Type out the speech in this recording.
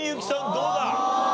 どうだ？